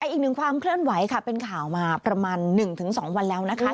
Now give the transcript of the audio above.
อีกหนึ่งความเคลื่อนไหวค่ะเป็นข่าวมาประมาณ๑๒วันแล้วนะคะ